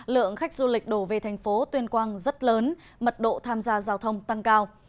lượng khách du lịch đổ về thành phố tuyên quang rất lớn mật độ tham gia giao thông tăng cao